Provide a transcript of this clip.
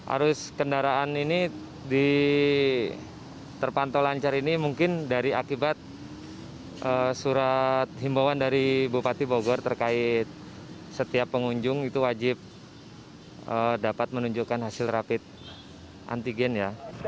arus kendaraan ini terpantau lancar ini mungkin dari akibat surat himbawan dari bupati bogor terkait setiap pengunjung itu wajib dapat menunjukkan hasil rapid antigen ya